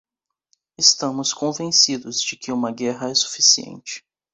Estamos convencidos de que uma guerra é suficiente.